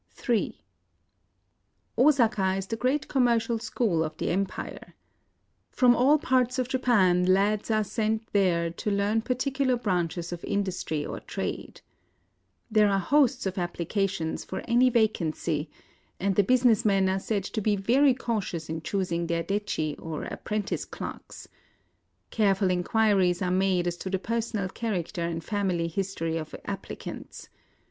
Ill Osaka is the great commercial school of the empire. From all parts of Japan lads are sent there to learn particular branches of industry or trade. There are hosts of applica tions for any vacancy ; and the business men are said to be very cautious in choosing their detchi, or apprentice clerks. Careful inquiries are made as to the personal character and fam ily history of applicants.